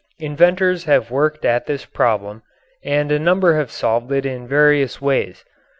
Inventors have worked at this problem, and a number have solved it in various ways.